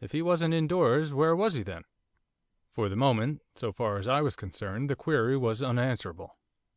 If he wasn't indoors, where was he then?' For the moment, so far as I was concerned, the query was unanswerable.